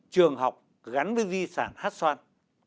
trường học gắn với di sản hét xoan